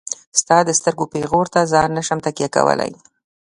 ستا د سترګو پيغور ته ځان نشم تکيه کولاي.